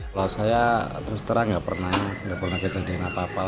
kalau saya terus terang nggak pernah nggak pernah kejadian apa apa